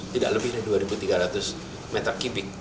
tidak lebih dari dua ribu tiga ratus meter kipik